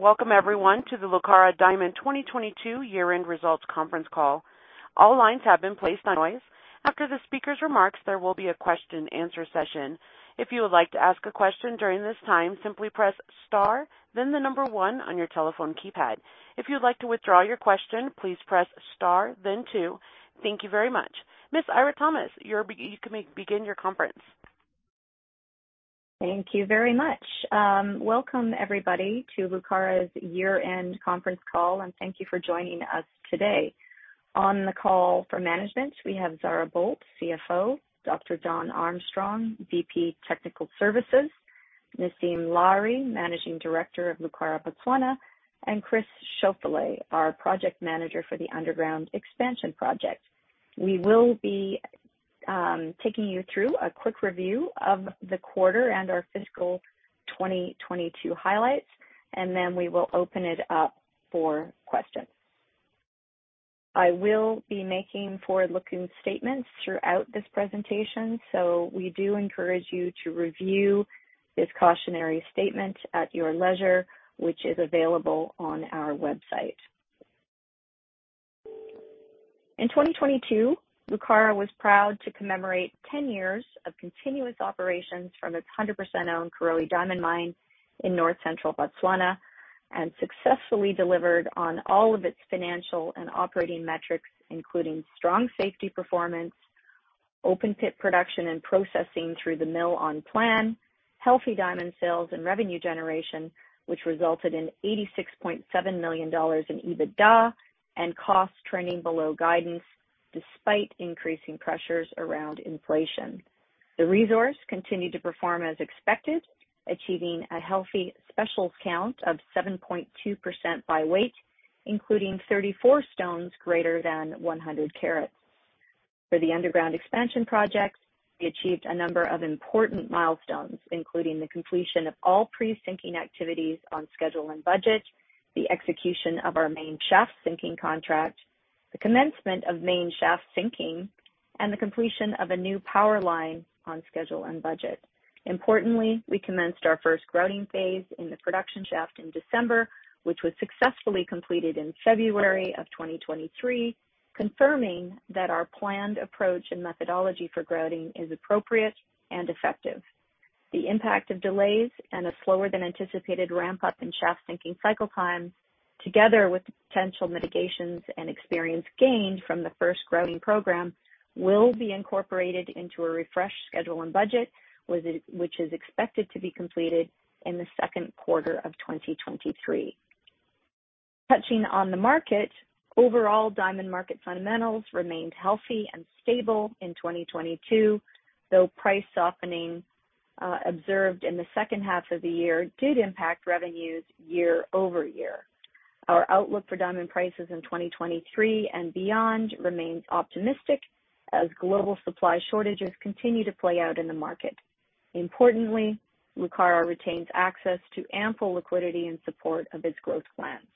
Welcome everyone to the Lucara Diamond 2022 year-end results conference call. All lines have been placed on voice. After the speaker's remarks, there will be a question and answer session. If you would like to ask a question during this time, simply press star then one on your telephone keypad. If you would like to withdraw your question, please press star then two. Thank you very much. Ms. Eira Thomas, you can begin your conference. Thank you very much. Welcome everybody to Lucara's year-end conference call, and thank you for joining us today. On the call for management, we have Zara Boldt, CFO, Dr. John Armstrong, VP Technical Services, Naseem Lahri, Managing Director of Lucara Botswana, and Chris Schauffele, our Project Manager for the underground expansion project. We will be taking you through a quick review of the quarter and our fiscal 2022 highlights, and then we will open it up for questions. I will be making forward-looking statements throughout this presentation. We do encourage you to review this cautionary statement at your leisure, which is available on our website. In 2022, Lucara was proud to commemorate 10 years of continuous operations from its 100% owned Karowe Diamond Mine in North Central Botswana and successfully delivered on all of its financial and operating metrics, including strong safety performance, open pit production and processing through the mill on plan, healthy diamond sales and revenue generation, which resulted in $86.7 million in EBITDA and cost trending below guidance despite increasing pressures around inflation. The resource continued to perform as expected, achieving a healthy specials count of 7.2% by weight, including 34 stones greater than 100 carats. For the Underground Expansion projects, we achieved a number of important milestones, including the completion of all pre-sinking activities on schedule and budget, the execution of our main shaft sinking contract, the commencement of main shaft sinking, and the completion of a new power line on schedule and budget. Importantly, we commenced our first grouting phase in the production shaft in December, which was successfully completed in February of 2023, confirming that our planned approach and methodology for grouting is appropriate and effective. The impact of delays and a slower than anticipated ramp up in shaft sinking cycle time, together with the potential mitigations and experience gained from the first grouting program, will be incorporated into a refreshed schedule and budget, which is expected to be completed in the second quarter of 2023. Touching on the market, overall diamond market fundamentals remained healthy and stable in 2022, though price softening observed in the second half of the year did impact revenues year-over-year. Our outlook for diamond prices in 2023 and beyond remains optimistic as global supply shortages continue to play out in the market. Importantly, Lucara retains access to ample liquidity in support of its growth plans.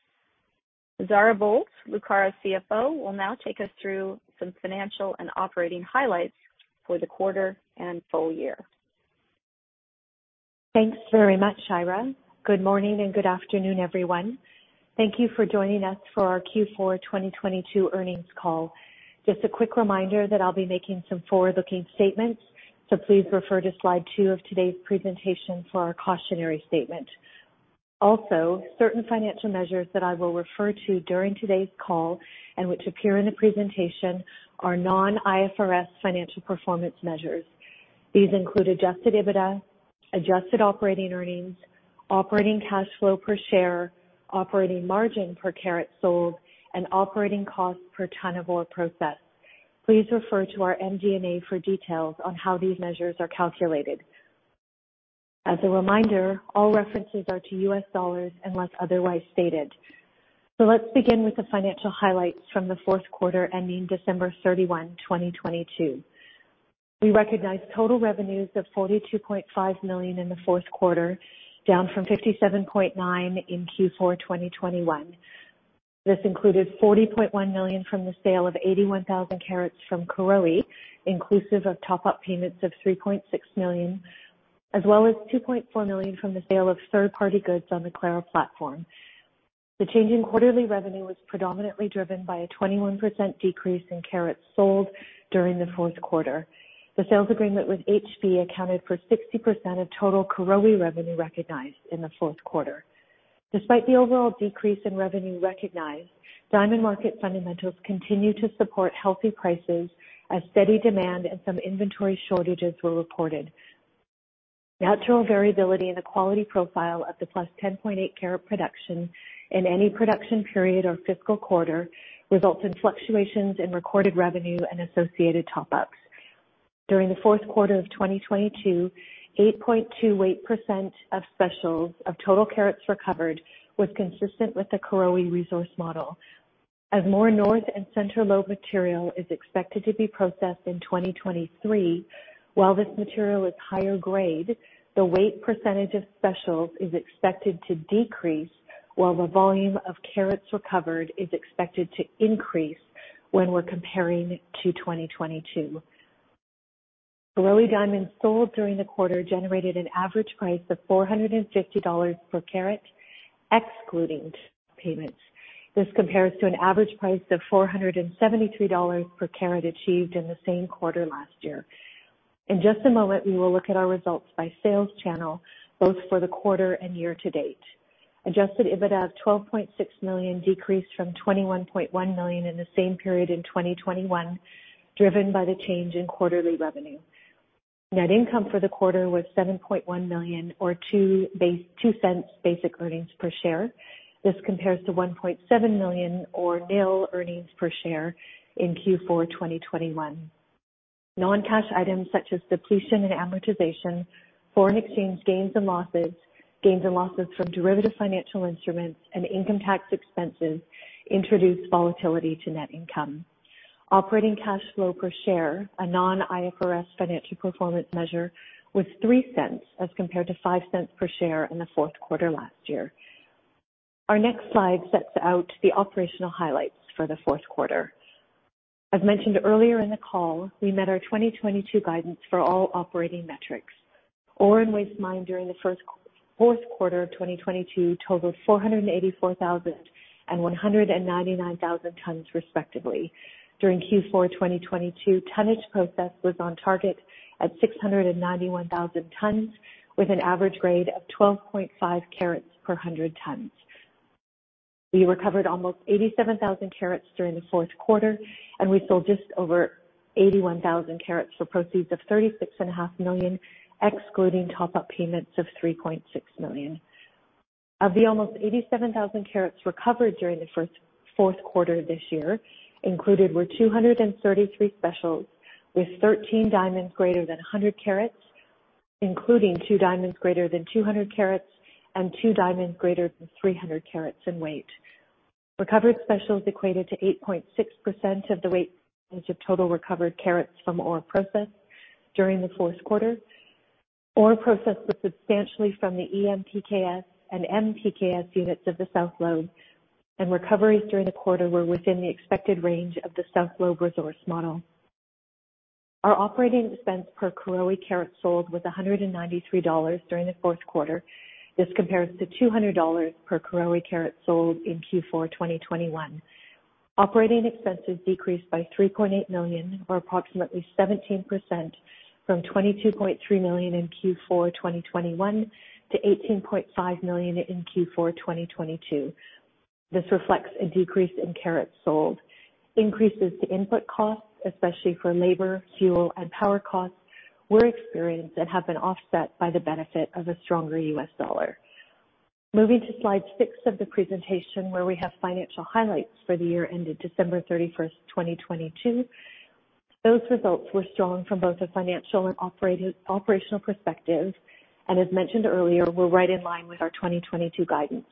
Zara Boldt, Lucara's CFO, will now take us through some financial and operating highlights for the quarter and full year. Thanks very much, Eira. Good morning and good afternoon, everyone. Thank you for joining us for our Q4 2022 earnings call. Just a quick reminder that I'll be making some forward-looking statements, please refer to slide two of today's presentation for our cautionary statement. Certain financial measures that I will refer to during today's call and which appear in the presentation are non-IFRS financial performance measures. These include adjusted EBITDA, adjusted operating earnings, operating cash flow per share, operating margin per carat sold, and operating cost per ton of ore processed. Please refer to our MD&A for details on how these measures are calculated. All references are to US dollars unless otherwise stated. Let's begin with the financial highlights from the fourth quarter ending December 31, 2022. We recognized total revenues of $42.5 million in the fourth quarter, down from $57.9 million in Q4 2021. This included $40.1 million from the sale of 81,000 carats from Karowe, inclusive of top-up payments of $3.6 million, as well as $2.4 million from the sale of third-party goods on the Clara platform. The change in quarterly revenue was predominantly driven by a 21% decrease in carats sold during the fourth quarter. The sales agreement with HB accounted for 60% of total Karowe revenue recognized in the fourth quarter. Despite the overall decrease in revenue recognized, diamond market fundamentals continued to support healthy prices as steady demand and some inventory shortages were reported. Natural variability in the quality profile of the plus 10.8 carat production in any production period or fiscal quarter results in fluctuations in recorded revenue and associated top-ups. During the fourth quarter of 2022, 8.2 weight % of specials of total carats recovered was consistent with the Karowe resource model. As more North and Centre lobe material is expected to be processed in 2023, while this material is higher grade, the weight % of specials is expected to decrease while the volume of carats recovered is expected to increase when we're comparing to 2022. Karowe diamonds sold during the quarter generated an average price of $450 per carat, excluding payments. This compares to an average price of $473 per carat achieved in the same quarter last year. In just a moment, we will look at our results by sales channel, both for the quarter and year to date. adjusted EBITDA of $12.6 million decreased from $21.1 million in the same period in 2021, driven by the change in quarterly revenue. Net income for the quarter was $7.1 million or $0.02 basic earnings per share. This compares to $1.7 million or nil earnings per share in Q4 2021. Non-cash items such as depletion and amortization, foreign exchange gains and losses, gains and losses from derivative financial instruments, and income tax expenses introduced volatility to net income. Operating cash flow per share, a non-IFRS financial performance measure, was $0.03 as compared to $0.05 per share in the fourth quarter last year. Our next slide sets out the operational highlights for the fourth quarter. As mentioned earlier in the call, we met our 2022 guidance for all operating metrics. Ore and waste mined during the fourth quarter of 2022 totaled 484,000 and 199,000 tons respectively. During Q4 2022, tonnage processed was on target at 691,000 tons with an average grade of 12.5 carats per 100 tons. We recovered almost 87,000 carats during the fourth quarter. We sold just over 81,000 carats for proceeds of $36.5, excluding top-up payments of $3.6 million. Of the almost 87,000 carats recovered during the fourth quarter this year, included were 233 specials, with 13 diamonds greater than 100 carats, including two diamonds greater than 200 carats and two diamonds greater than 300 carats in weight. Recovered specials equated to 8.6% of the weight percentage of total recovered carats from ore processed during the fourth quarter. Ore processed was substantially from the EMPKS and MPKS units of the South Lobe, and recoveries during the quarter were within the expected range of the South Lobe resource model. Our operating expense per Karowe carat sold was $193 during the fourth quarter. This compares to $200 per Karowe carat sold in Q4 2021. Operating expenses decreased by $3.8 million or approximately 17% from $22.3 million in Q4 2021 to $18.5 million in Q4 2022. This reflects a decrease in carats sold. Increases to input costs, especially for labor, fuel, and power costs, were experienced and have been offset by the benefit of a stronger US dollar. Moving to slide six of the presentation, where we have financial highlights for the year ended December 31st, 2022. Those results were strong from both a financial and operational perspective, and as mentioned earlier, were right in line with our 2022 guidance.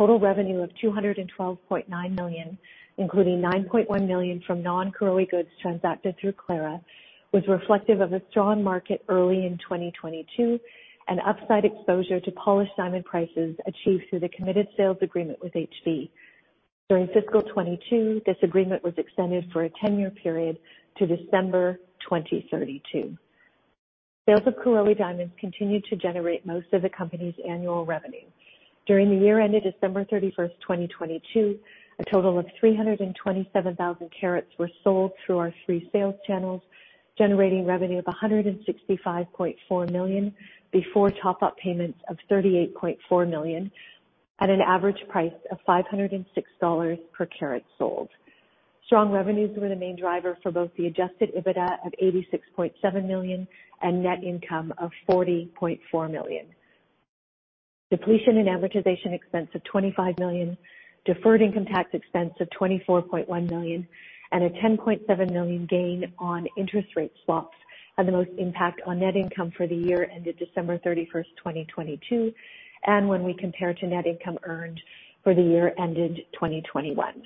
Total revenue of $212.9 million, including $9.1 million from non-Karowe goods transacted through Clara, was reflective of a strong market early in 2022 and upside exposure to polished diamond prices achieved through the committed sales agreement with HB. During fiscal 2022, this agreement was extended for a 10-year period to December 2032. Sales of Karowe diamonds continued to generate most of the company's annual revenue. During the year ended December 31, 2022, a total of 327,000 carats were sold through our three sales channels, generating revenue of $165.4 million before top-up payments of $38.4 million at an average price of $506 per carat sold. Strong revenues were the main driver for both the adjusted EBITDA of $86.7 million and net income of $40.4 million. Depletion in amortization expense of $25 million, deferred income tax expense of $24.1 million, and a $10.7 million gain on interest rate swaps had the most impact on net income for the year ended December 31st, 2022, and when we compare to net income earned for the year ended 2021.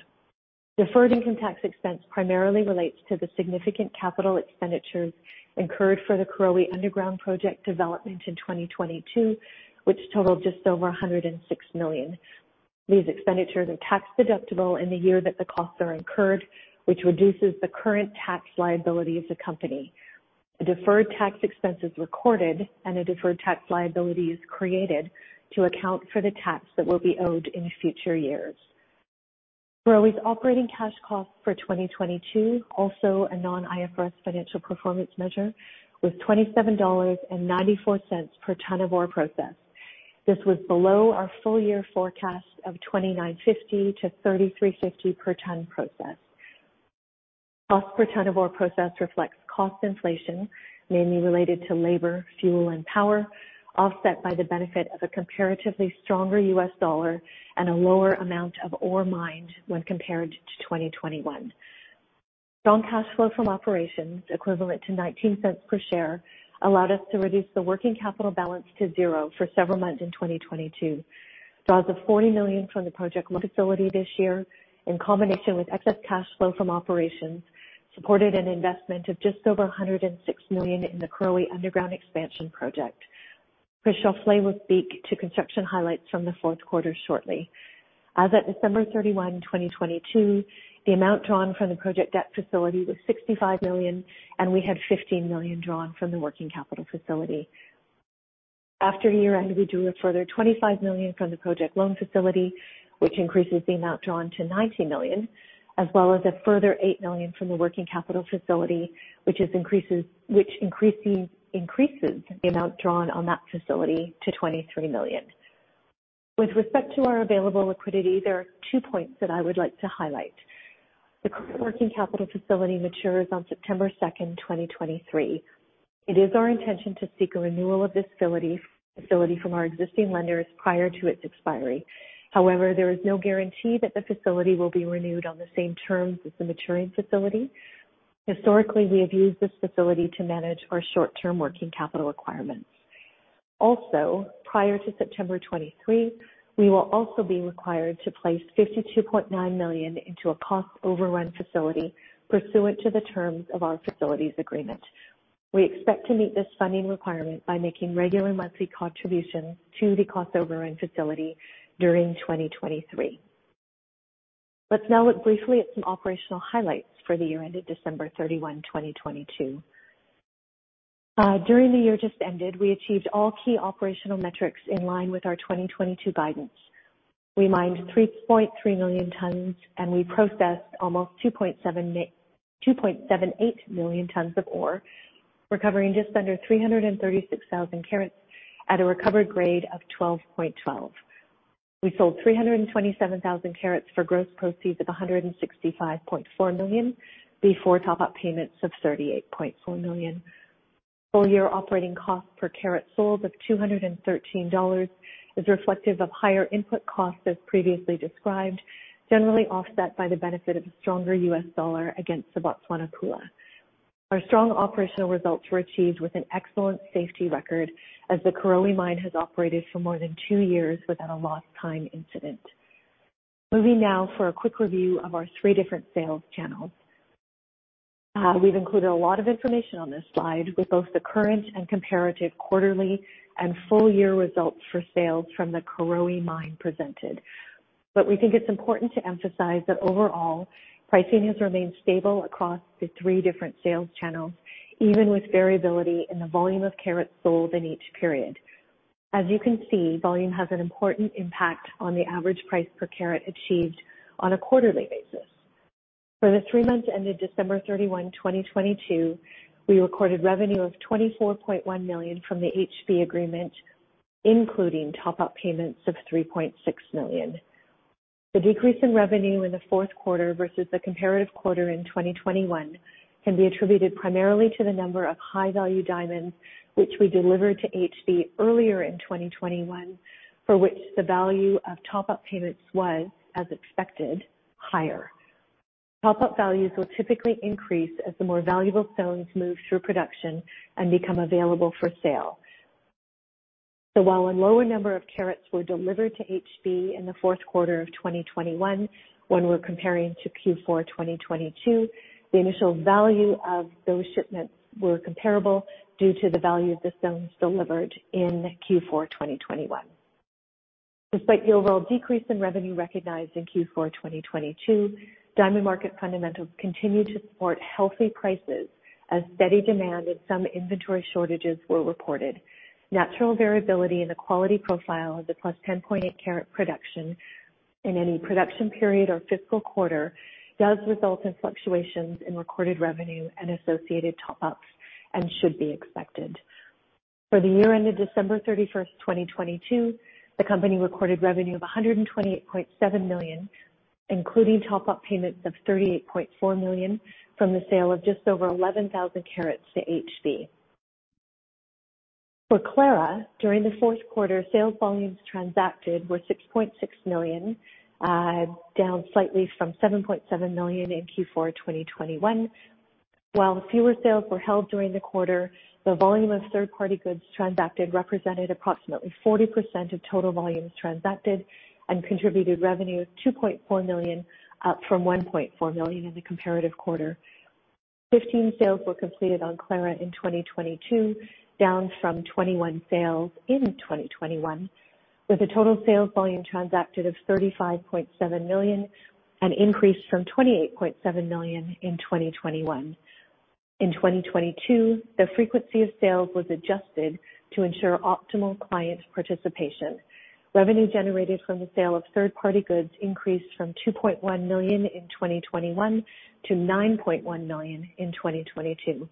Deferred income tax expense primarily relates to the significant capital expenditures incurred for the Karowe Underground Project development in 2022, which totaled just over $106 million. These expenditures are tax-deductible in the year that the costs are incurred, which reduces the current tax liability of the company. A deferred tax expense is recorded and a deferred tax liability is created to account for the tax that will be owed in future years. Karowe's operating cash costs for 2022, also a non-IFRS financial performance measure, was $27.94 per ton of ore processed. This was below our full year forecast of $29.50-$33.50 per ton processed. Cost per ton of ore processed reflects cost inflation, mainly related to labor, fuel, and power, offset by the benefit of a comparatively stronger US dollar and a lower amount of ore mined when compared to 2021. Strong cash flow from operations equivalent to $0.19 per share allowed us to reduce the working capital balance to zero for several months in 2022. Draws of $40 million from the project facility this year, in combination with excess cash flow from operations, supported an investment of just over $106 million in the Karowe Underground Expansion Project. Chris Schauffele will speak to construction highlights from the fourth quarter shortly. As at December 31, 2022, the amount drawn from the project debt facility was $65 million, and we had $15 million drawn from the working capital facility. After year-end, we drew a further $25 million from the project loan facility, which increases the amount drawn to $90 million, as well as a further $8 million from the working capital facility, which increases the amount drawn on that facility to $23 million. With respect to our available liquidity, there are two points that I would like to highlight. The current working capital facility matures on September 2, 2023. It is our intention to seek a renewal of this facility from our existing lenders prior to its expiry. There is no guarantee that the facility will be renewed on the same terms as the maturing facility. Historically, we have used this facility to manage our short-term working capital requirements. Prior to September 2023, we will also be required to place $52.9 million into a cost overrun facility pursuant to the terms of our facilities agreement. We expect to meet this funding requirement by making regular monthly contributions to the cost overrun facility during 2023. Let's now look briefly at some operational highlights for the year ended December 31, 2022. During the year just ended, we achieved all key operational metrics in line with our 2022 guidance. We mined 3.3 million tons, and we processed almost 2.78 million tons of ore, recovering just under 336,000 carats at a recovered grade of 12.12. We sold 327,000 carats for gross proceeds of $165.4 million before top-up payments of $38.4 million. Full year operating cost per carat sold of $213 is reflective of higher input costs as previously described, generally offset by the benefit of a stronger US dollar against the Botswana pula. Our strong operational results were achieved with an excellent safety record as the Karowe mine has operated for more than two years without a lost time incident. Moving now for a quick review of our three different sales channels. We've included a lot of information on this slide with both the current and comparative quarterly and full year results for sales from the Karowe Mine presented. We think it's important to emphasize that overall, pricing has remained stable across the three different sales channels, even with variability in the volume of carats sold in each period. As you can see, volume has an important impact on the average price per carat achieved on a quarterly basis. For the three months ended December 31, 2022, we recorded revenue of $24.1 million from the HB agreement, including top-up payments of $3.6 million. The decrease in revenue in the fourth quarter versus the comparative quarter in 2021 can be attributed primarily to the number of high-value diamonds, which we delivered to HB earlier in 2021, for which the value of top-up payments was, as expected, higher. Top-up values will typically increase as the more valuable stones move through production and become available for sale. While a lower number of carats were delivered to HB in the fourth quarter of 2021 when we're comparing to Q4 2022, the initial value of those shipments were comparable due to the value of the stones delivered in Q4 2021. Despite the overall decrease in revenue recognized in Q4 2022, diamond market fundamentals continued to support healthy prices as steady demand and some inventory shortages were reported. Natural variability in the quality profile of the plus 10.8 carat production in any production period or fiscal quarter does result in fluctuations in recorded revenue and associated top-ups and should be expected. For the year ended December 31st, 2022, the company recorded revenue of $128.7 million, including top-up payments of $38.4 million from the sale of just over 11,000 carats to HB. For Clara, during the fourth quarter, sales volumes transacted were $6.6 million, down slightly from $7.7 million in Q4 2021. While fewer sales were held during the quarter, the volume of third-party goods transacted represented approximately 40% of total volumes transacted and contributed revenue of $2.4 million, up from $1.4 million in the comparative quarter. 15 sales were completed on Clara in 2022, down from 21 sales in 2021, with a total sales volume transacted of $35.7 million, an increase from $28.7 million in 2021. In 2022, the frequency of sales was adjusted to ensure optimal client participation. Revenue generated from the sale of third party goods increased from $2.1 million in 2021 to $9.1 million in 2022.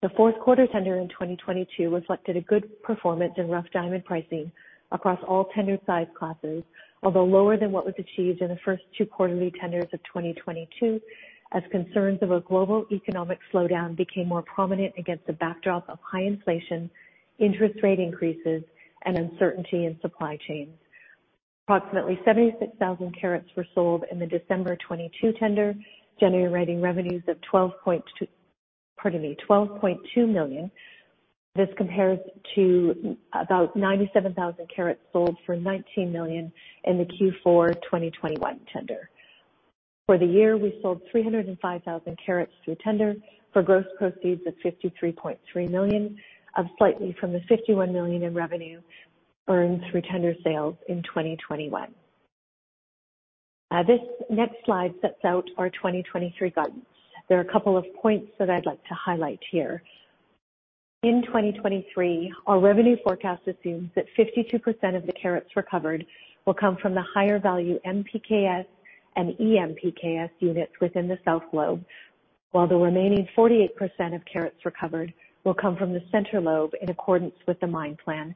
The fourth quarter tender in 2022 reflected a good performance in rough diamond pricing across all tender size classes, although lower than what was achieved in the first two quarterly tenders of 2022, as concerns of a global economic slowdown became more prominent against the backdrop of high inflation, interest rate increases, and uncertainty in supply chains. Approximately 76,000 carats were sold in the December 2022 tender, generating revenues of $12.2 million. This compares to about 97,000 carats sold for $19 million in the Q4 2021 tender. For the year, we sold 305,000 carats through tender for gross proceeds of $53.3 million, up slightly from the $51 million in revenue earned through tender sales in 2021. This next slide sets out our 2023 guidance. There are a couple of points that I'd like to highlight here. In 2023, our revenue forecast assumes that 52% of the carats recovered will come from the higher value MPKS and EMPKS units within the South Lobe, while the remaining 48% of carats recovered will come from the Centre lobe in accordance with the mine plan.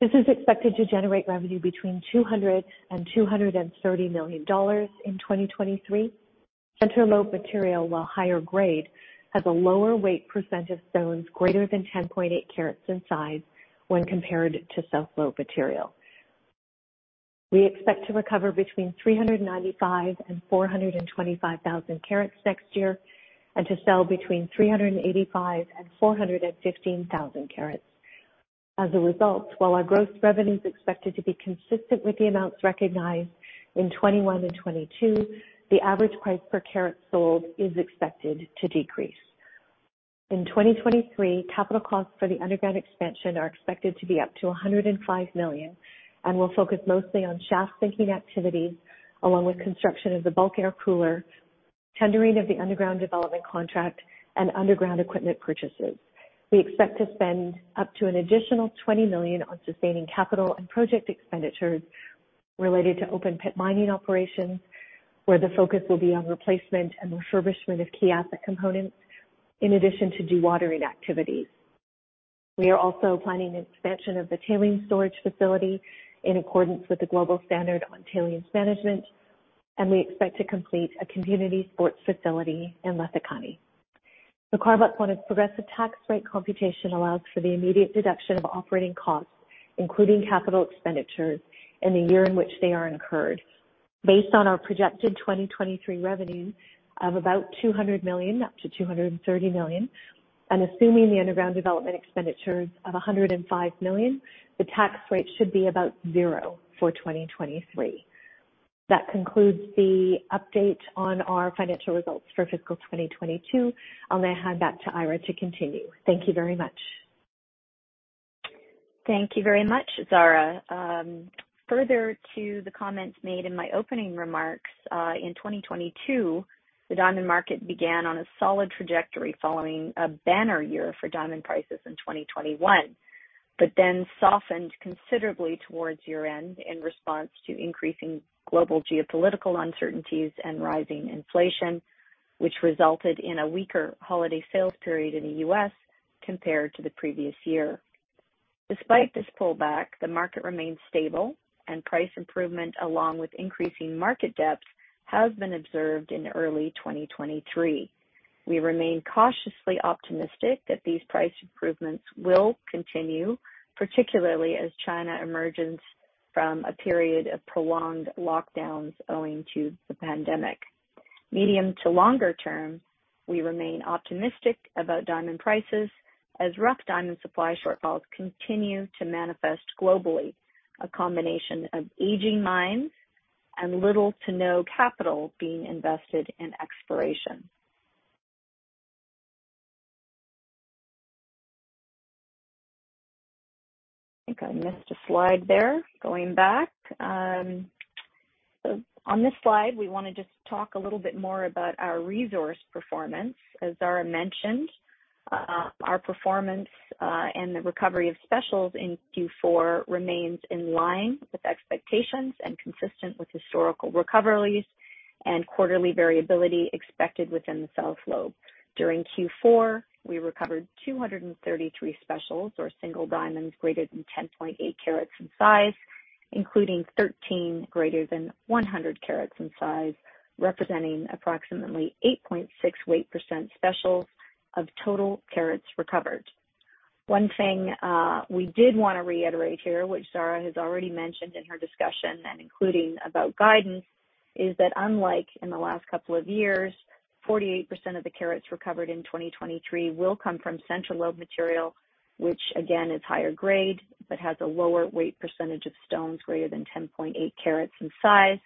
This is expected to generate revenue between $200 million-$230 million in 2023. Centre Lobe material, while higher grade, has a lower weight percentage of stones greater than 10.8 carats in size when compared to South Lobe material. We expect to recover between 395,000-425,000 carats next year, and to sell between 385,000-415,000 carats. While our gross revenue is expected to be consistent with the amounts recognized in 2021 and 2022, the average price per carat sold is expected to decrease. In 2023, capital costs for the underground expansion are expected to be up to $105 million and will focus mostly on shaft sinking activities along with construction of the bulk air cooler, tendering of the underground development contract, and underground equipment purchases. We expect to spend up to an additional $20 million on sustaining capital and project expenditures related to open pit mining operations, where the focus will be on replacement and refurbishment of key asset components in addition to dewatering activities. We are also planning an expansion of the tailings storage facility in accordance with the Global Standard on Tailings Management, and we expect to complete a community sports facility in Letlhakane. Lucara's progressive tax rate computation allows for the immediate deduction of operating costs, including capital expenditures in the year in which they are incurred. Based on our projected 2023 revenue of about $200 million, up to $230 million, and assuming the underground development expenditures of $105 million, the tax rate should be about 0 for 2023. That concludes the update on our financial results for fiscal 2022. I'll now hand back to Eira to continue. Thank you very much. Thank you very much, Zara. Further to the comments made in my opening remarks, in 2022, the diamond market began on a solid trajectory following a banner year for diamond prices in 2021, but then softened considerably towards year-end in response to increasing global geopolitical uncertainties and rising inflation, which resulted in a weaker holiday sales period in the U.S. compared to the previous year. Despite this pullback, the market remains stable and price improvement, along with increasing market depth, has been observed in early 2023. We remain cautiously optimistic that these price improvements will continue, particularly as China emerges from a period of prolonged lockdowns owing to the pandemic. Medium to longer term, we remain optimistic about diamond prices as rough diamond supply shortfalls continue to manifest globally, a combination of aging mines and little to no capital being invested in exploration. I think I missed a slide there. Going back. On this slide, we wanna just talk a little bit more about our resource performance. As Zara mentioned, our performance and the recovery of specials in Q4 remains in line with expectations and consistent with historical recoveries and quarterly variability expected within the South Lobe. During Q4, we recovered 233 specials or single diamonds greater than 10.8 carats in size, including 13 greater than 100 carats in size, representing approximately 8.6 weight % specials of total carats recovered. One thing, we did wanna reiterate here, which Zara has already mentioned in her discussion and including about guidance, is that unlike in the last couple of years, 48% of the carats recovered in 2023 will come from Centre lobe material, which again is higher grade but has a lower weight percentage of stones greater than 10.8 carats in size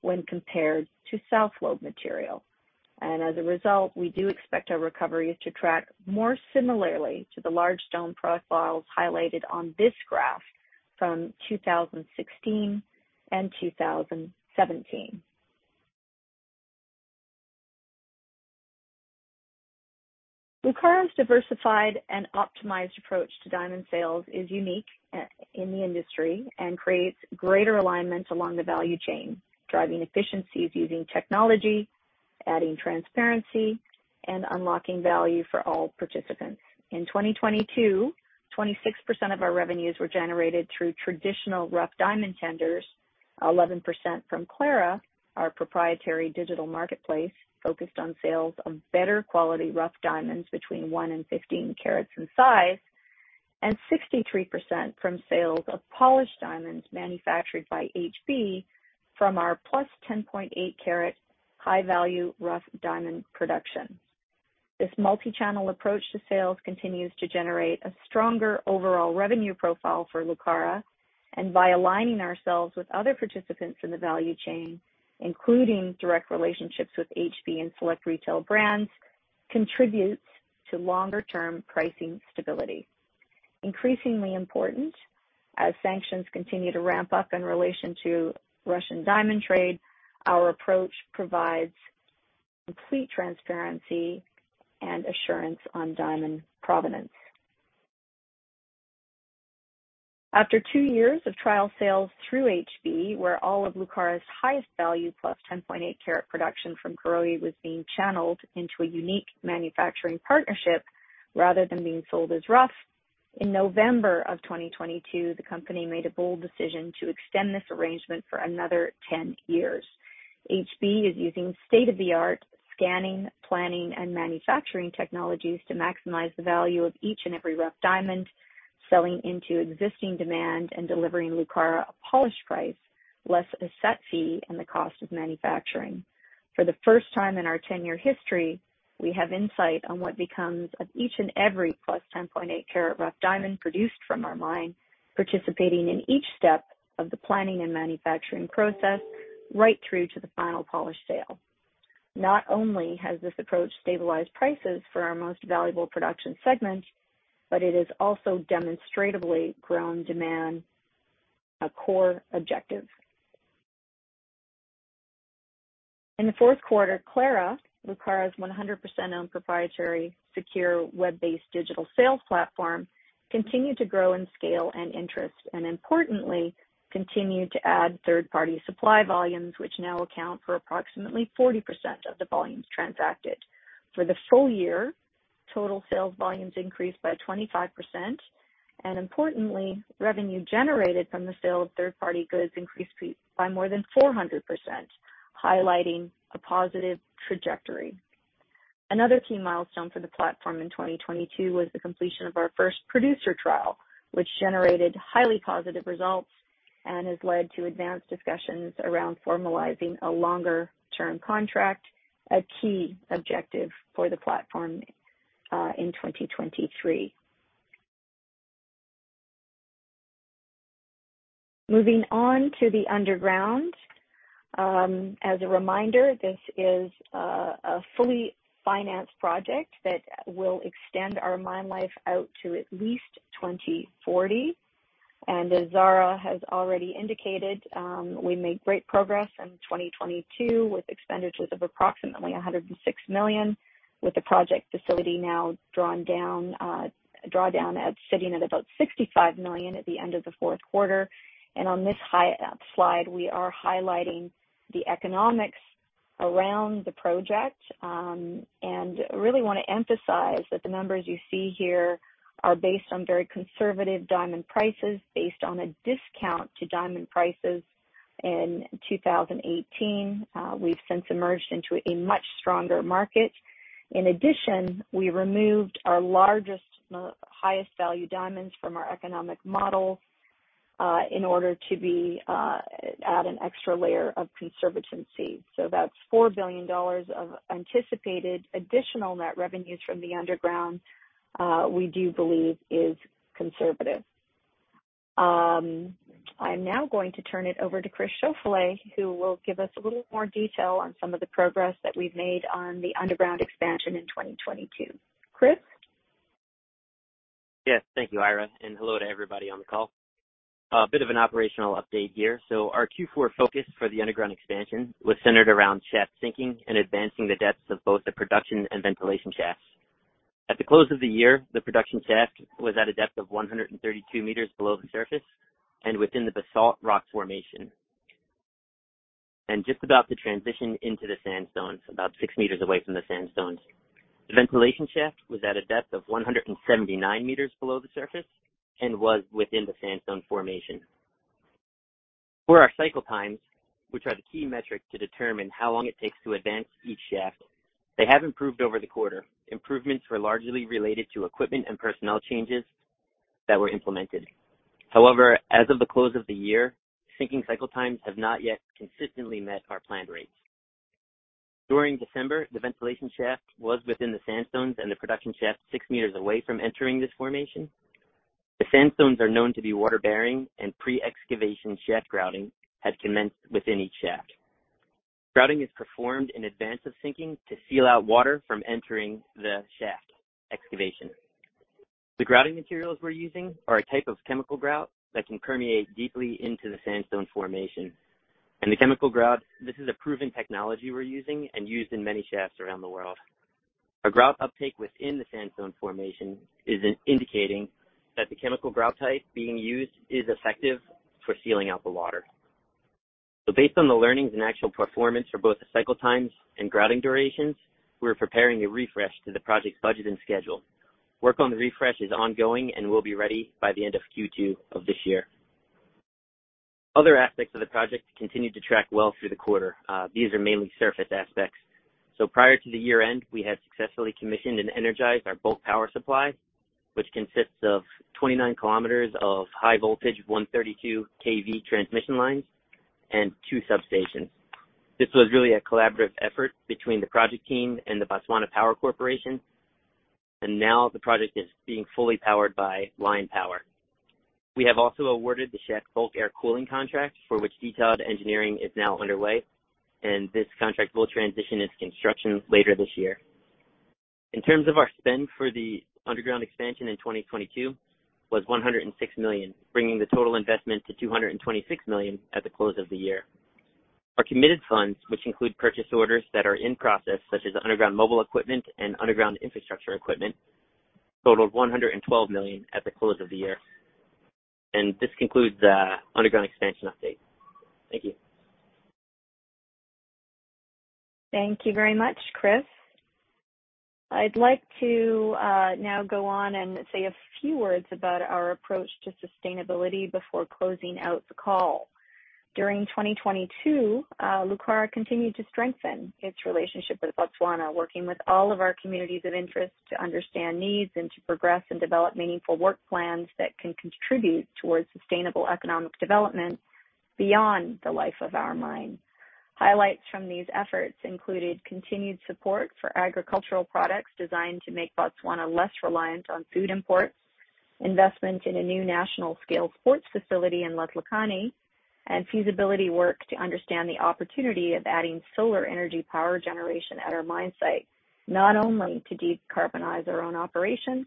when compared to South Lobe material. As a result, we do expect our recoveries to track more similarly to the large stone profiles highlighted on this graph from 2016 and 2017. Lucara's diversified and optimized approach to diamond sales is unique in the industry and creates greater alignment along the value chain, driving efficiencies using technology, adding transparency, and unlocking value for all participants. In 2022, 26% of our revenues were generated through traditional rough diamond tenders, 11% from Clara, our proprietary digital marketplace focused on sales of better quality rough diamonds between one and 15 carats in size, and 63% from sales of polished diamonds manufactured by HB from our +10.8 carat high-value rough diamond production. This multi-channel approach to sales continues to generate a stronger overall revenue profile for Lucara, and by aligning ourselves with other participants in the value chain, including direct relationships with HB and select retail brands, contributes to longer-term pricing stability. Increasingly important as sanctions continue to ramp up in relation to Russian diamond trade, our approach provides complete transparency and assurance on diamond provenance. After two years of trial sales through HB, where all of Lucara's highest value plus 10.8 carat production from Karowe was being channeled into a unique manufacturing partnership rather than being sold as rough. In November 2022, the company made a bold decision to extend this arrangement for another 10 years. HB is using state-of-the-art scanning, planning, and manufacturing technologies to maximize the value of each and every rough diamond, selling into existing demand and delivering Lucara a polished price, less a set fee and the cost of manufacturing. For the first time in our 10-year history, we have insight on what becomes of each and every plus 10.8 carat rough diamond produced from our mine, participating in each step of the planning and manufacturing process right through to the final polish sale. Not only has this approach stabilized prices for our most valuable production segment, but it has also demonstratively grown demand, a core objective. In the fourth quarter, Clara, Lucara's 100% owned proprietary, secure, web-based digital sales platform, continued to grow in scale and interest, and importantly, continued to add third-party supply volumes, which now account for approximately 40% of the volumes transacted. For the full year, total sales volumes increased by 25%. Importantly, revenue generated from the sale of third-party goods increased by more than 400%, highlighting a positive trajectory. Another key milestone for the platform in 2022 was the completion of our first producer trial, which generated highly positive results and has led to advanced discussions around formalizing a longer term contract, a key objective for the platform in 2023. Moving on to the underground. As a reminder, this is a fully financed project that will extend our mine life out to at least 2040. As Zara has already indicated, we made great progress in 2022 with expenditures of approximately $106 million, with the project facility now drawn down at sitting at about $65 million at the end of the fourth quarter. On this high slide, we are highlighting the economics around the project, and really wanna emphasize that the numbers you see here are based on very conservative diamond prices based on a discount to diamond prices in 2018. We've since emerged into a much stronger market. In addition, we removed our largest, highest value diamonds from our economic model, in order to be at an extra layer of conservatism. That's $4 billion of anticipated additional net revenues from the underground, we do believe is conservative. I'm now going to turn it over to Chris Schauffele, who will give us a little more detail on some of the progress that we've made on the underground expansion in 2022. Chris? Yes, thank you, Eira, and hello to everybody on the call. A bit of an operational update here. Our Q4 focus for the underground expansion was centered around shaft sinking and advancing the depths of both the production and ventilation shafts. At the close of the year, the production shaft was at a depth of 132 m below the surface and within the basalt rock formation. Just about to transition into the sandstones, about 6 m away from the sandstones. The ventilation shaft was at a depth of 179 m below the surface and was within the sandstone formation. For our cycle times, which are the key metric to determine how long it takes to advance each shaft, they have improved over the quarter. Improvements were largely related to equipment and personnel changes that were implemented. However, as of the close of the year, sinking cycle times have not yet consistently met our planned rates. During December, the ventilation shaft was within the sandstones and the production shaft 6 m away from entering this formation. The sandstones are known to be water-bearing, and pre-excavation shaft grouting had commenced within each shaft. Grouting is performed in advance of sinking to seal out water from entering the shaft excavation. The grouting materials we're using are a type of chemical grout that can permeate deeply into the sandstone formation. The chemical grout, this is a proven technology we're using and used in many shafts around the world. A grout uptake within the sandstone formation is indicating that the chemical grout type being used is effective for sealing out the water. Based on the learnings and actual performance for both the cycle times and grouting durations, we're preparing a refresh to the project's budget and schedule. Work on the refresh is ongoing and will be ready by the end of Q2 of this year. Other aspects of the project continued to track well through the quarter. These are mainly surface aspects. Prior to the year-end, we had successfully commissioned and energized our bulk power supply, which consists of 29 km of high voltage 132 kV transmission lines. And two substations. This was really a collaborative effort between the project team and the Botswana Power Corporation, and now the project is being fully powered by line power. We have also awarded the shaft bulk air cooling contract, for which detailed engineering is now underway, and this contract will transition its construction later this year. In terms of our spend for the underground expansion in 2022 was $106 million, bringing the total investment to $226 million at the close of the year. Our committed funds, which include purchase orders that are in process, such as underground mobile equipment and underground infrastructure equipment, totaled $112 million at the close of the year. This concludes the underground expansion update. Thank you. Thank you very much, Chris. I'd like to now go on and say a few words about our approach to sustainability before closing out the call. During 2022, Lucara continued to strengthen its relationship with Botswana, working with all of our communities of interest to understand needs and to progress and develop meaningful work plans that can contribute towards sustainable economic development beyond the life of our mine. Highlights from these efforts included continued support for agricultural products designed to make Botswana less reliant on food imports, investment in a new national scale sports facility in Letlhakane, and feasibility work to understand the opportunity of adding solar energy power generation at our mine site, not only to decarbonize our own operations,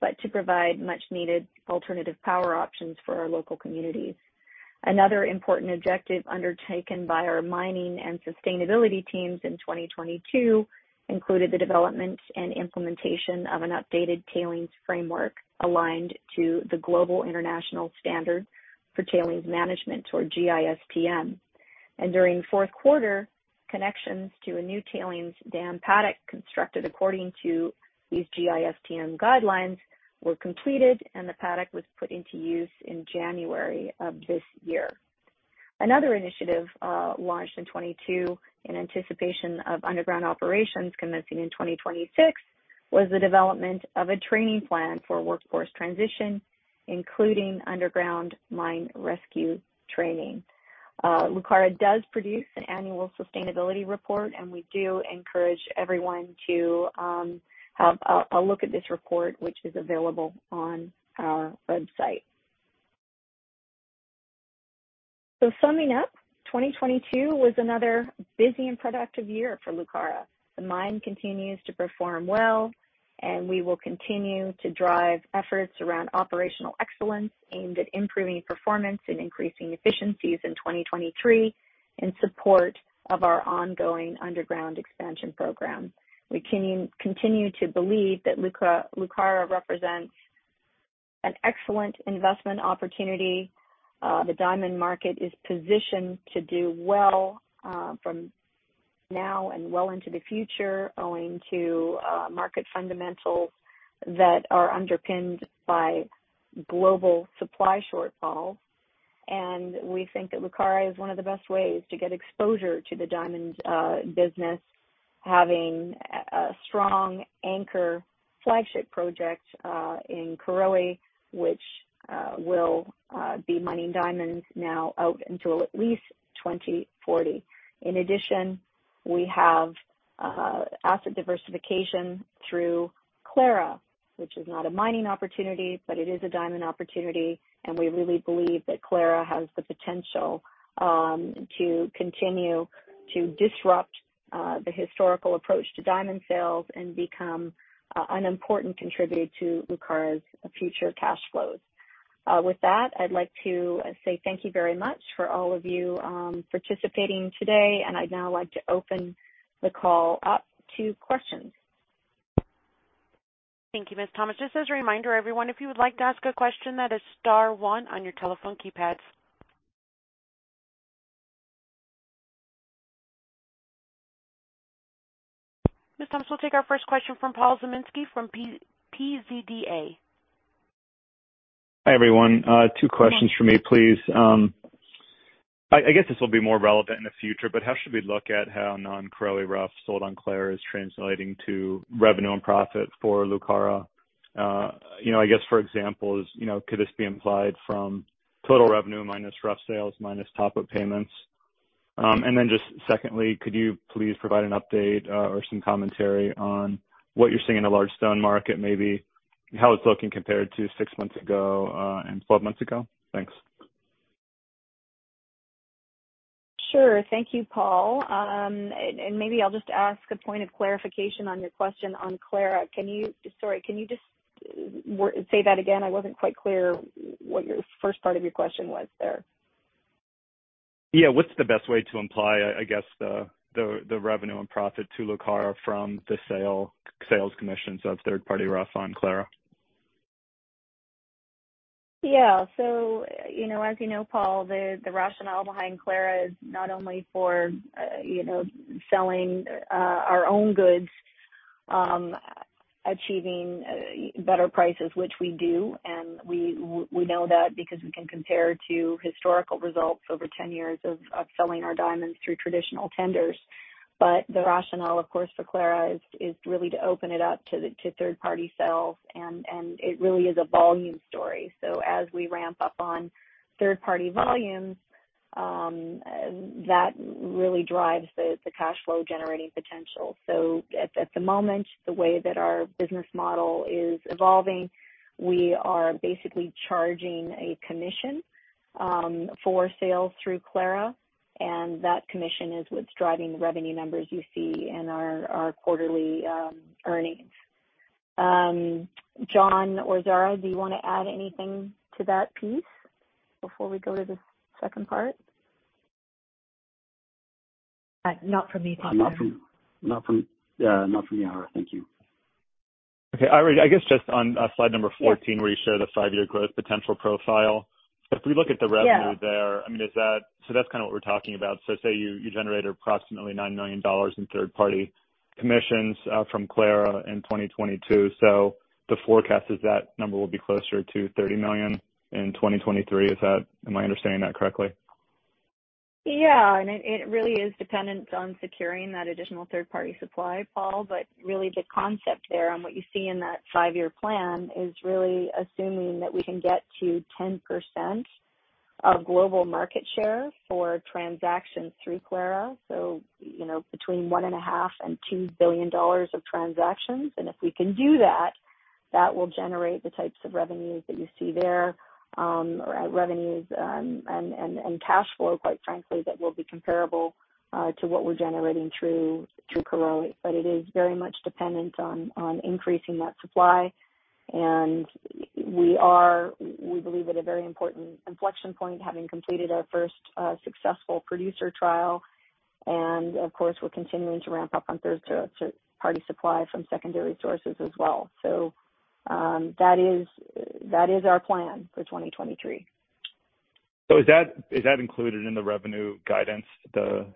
but to provide much needed alternative power options for our local communities. Another important objective undertaken by our mining and sustainability teams in 2022 included the development and implementation of an updated tailings framework aligned to the Global Industry Standard on Tailings Management, or GISTM. During fourth quarter, connections to a new tailings dam paddock constructed according to these GISTM guidelines were completed, and the paddock was put into use in January of this year. Another initiative, launched in 2022 in anticipation of underground operations commencing in 2026, was the development of a training plan for workforce transition, including underground mine rescue training. Lucara does produce an annual sustainability report, and we do encourage everyone to have a look at this report, which is available on our website. Summing up, 2022 was another busy and productive year for Lucara. The mine continues to perform well, we will continue to drive efforts around operational excellence aimed at improving performance and increasing efficiencies in 2023 in support of our ongoing underground expansion program. We continue to believe that Lucara represents an excellent investment opportunity. The diamond market is positioned to do well from now and well into the future, owing to market fundamentals that are underpinned by global supply shortfalls. We think that Lucara is one of the best ways to get exposure to the diamonds business, having a strong anchor flagship project in Karowe, which will be mining diamonds now out until at least 2040. In addition, we have asset diversification through Clara, which is not a mining opportunity, but it is a diamond opportunity. We really believe that Clara has the potential to continue to disrupt the historical approach to diamond sales and become an important contributor to Lucara's future cash flows. With that, I'd like to say thank you very much for all of you participating today. I'd now like to open the call up to questions. Thank you, Ms. Thomas. Just as a reminder, everyone, if you would like to ask a question, that is star one on your telephone keypads. Ms. Thomas, we'll take our first question from Paul Zimnisky from PZDA. Hi, everyone. two questions from me, please. I guess this will be more relevant in the future, but how should we look at how non-Karowe rough sold on Clara is translating to revenue and profit for Lucara? you know, I guess, for example, you know, could this be implied from total revenue minus rough sales minus top-up payments? Just secondly, could you please provide an update, or some commentary on what you're seeing in the large stone market, maybe how it's looking compared to six months ago, and 12 months ago? Thanks. Sure. Thank you, Paul. maybe I'll just ask a point of clarification on your question on Clara. Sorry, can you just say that again? I wasn't quite clear what your first part of your question was there. What's the best way to imply, I guess, the revenue and profit to Lucara from the sales commissions of third-party rough on Clara? Yeah. You know, as you know, Paul, the rationale behind Clara is not only for, you know, selling our own goods, achieving better prices, which we do, and we know that because we can compare to historical results over 10 years of selling our diamonds through traditional tenders. The rationale, of course, for Clara is really to open it up to third-party sales, and it really is a volume story. As we ramp up on third-party volumes, that really drives the cash flow generating potential. At the moment, the way that our business model is evolving, we are basically charging a commission for sales through Clara, and that commission is what's driving the revenue numbers you see in our quarterly earnings. John or Zara, do you wanna add anything to that piece before we go to the second part? Not from me. Not from, yeah, not from me, Eira, thank you. Okay. Eira, I guess just on, slide number 14... Yeah. Where you share the five-year growth potential profile. If we look at the revenue there... Yeah. I mean, that's kinda what we're talking about. Say you generated approximately $9 million in third-party commissions, from Clara in 2022. The forecast is that number will be closer to $30 million in 2023. Am I understanding that correctly? It, it really is dependent on securing that additional third-party supply, Paul. Really the concept there and what you see in that 5-year plan is really assuming that we can get to 10% of global market share for transactions through Clara, so, you know, between $1.5 billion and $2 billion of transactions. If we can do that will generate the types of revenues that you see there, revenues and cash flow, quite frankly, that will be comparable to what we're generating through Karowe. It is very much dependent on increasing that supply. We are, we believe at a very important inflection point, having completed our first successful producer trial. Of course, we're continuing to ramp up on third-party supply from secondary sources as well. That is our plan for 2023. Is that included in the revenue guidance, the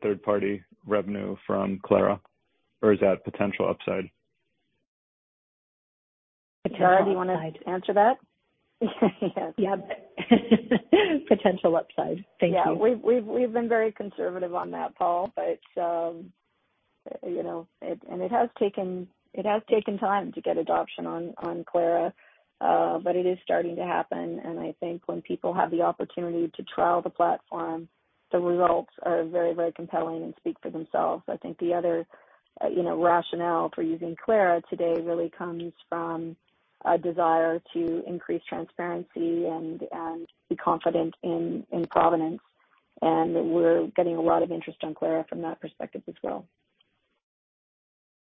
third-party revenue from Clara? Or is that potential upside? Zara, do you wanna answer that? Yes. Yeah. Potential upside. Thank you. Yeah. We've been very conservative on that, Paul, but, you know, it has taken time to get adoption on Clara, but it is starting to happen, and I think when people have the opportunity to trial the platform, the results are very, very compelling and speak for themselves. I think the other, you know, rationale for using Clara today really comes from a desire to increase transparency and be confident in provenance. We're getting a lot of interest on Clara from that perspective as well.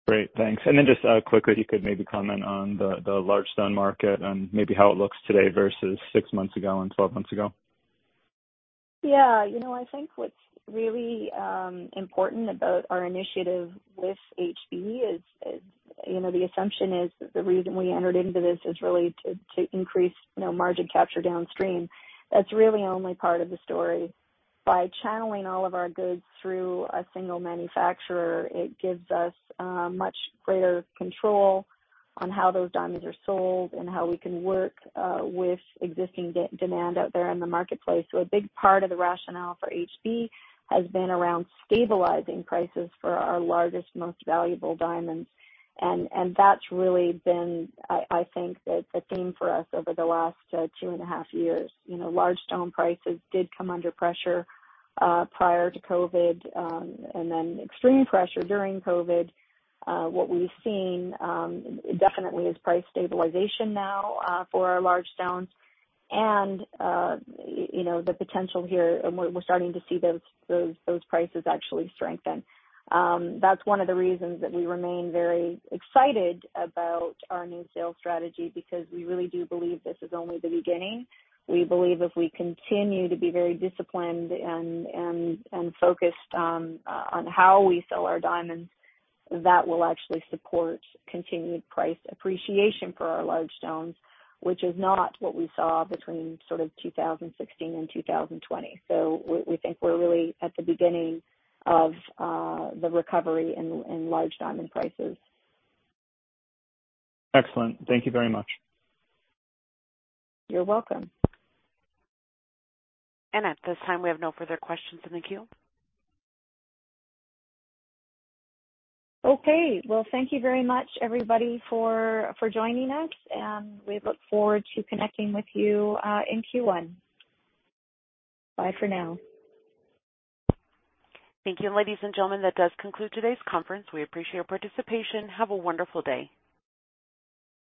Great. Thanks. Then just, quickly, if you could maybe comment on the large stone market and maybe how it looks today versus six months ago and 12 months ago? Yeah. You know, I think what's really important about our initiative with HB is, you know, the assumption is the reason we entered into this is really to increase, you know, margin capture downstream. That's really only part of the story. By channeling all of our goods through a single manufacturer, it gives us much greater control on how those diamonds are sold and how we can work with existing demand out there in the marketplace. A big part of the rationale for HB has been around stabilizing prices for our largest, most valuable diamonds. That's really been, I think, the theme for us over the last two and a half years. You know, large stone prices did come under pressure prior to COVID, and then extreme pressure during COVID. What we've seen, definitely is price stabilization now, for our large stones and, you know, the potential here, and we're starting to see those prices actually strengthen. That's one of the reasons that we remain very excited about our new sales strategy, because we really do believe this is only the beginning. We believe if we continue to be very disciplined and focused on how we sell our diamonds, that will actually support continued price appreciation for our large stones, which is not what we saw between sort of 2016 and 2020. We think we're really at the beginning of the recovery in large diamond prices. Excellent. Thank you very much. You're welcome. At this time, we have no further questions in the queue. Okay. Well, thank you very much, everybody, for joining us. We look forward to connecting with you in Q1. Bye for now. Thank you. Ladies and gentlemen, that does conclude today's conference. We appreciate your participation. Have a wonderful day.